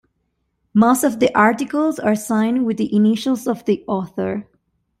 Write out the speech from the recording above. Most of the articles are signed with the initials of the author.